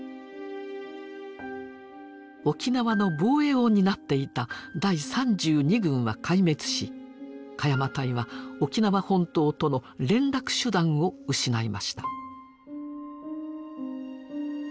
沖縄の防衛を担っていた第３２軍は壊滅し鹿山隊は沖縄本島との連絡手段を失いました。